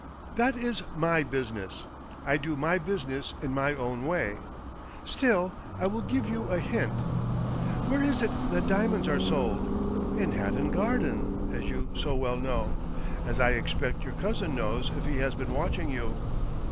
"" That is my business. I do my business in my own way. Still I will give you a hint. Where is it that diamonds are sold ? In Hatton Garden, as you so well know — as I expect your cousin knows if he has been watching you.